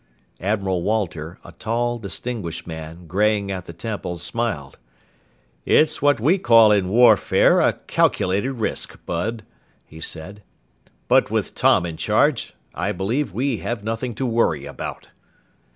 Admiral Walter, a tall, distinguished man, graying at the temples, smiled. "It's what we call in warfare a calculated risk, Bud," he said. "But with Tom in charge, I believe we have nothing to worry about."